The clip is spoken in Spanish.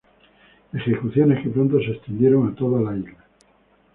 Ejecuciones que pronto se extendieron a toda isla.